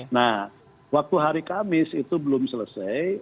nah waktu hari kamis itu belum selesai